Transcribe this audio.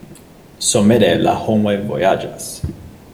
Somere la homoj vojaĝas.